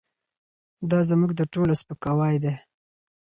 دا زموږ د ټولو سپکاوی دی.